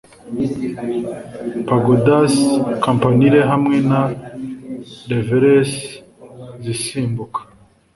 Pagodas campanile hamwe na reveles zisimbuka -